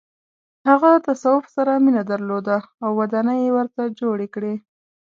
هغه تصوف سره مینه درلوده او ودانۍ یې ورته جوړې کړې.